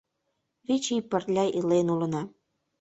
Вич ий пырля илен улына.